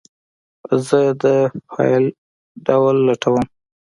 زه د فایل ډول لټوم.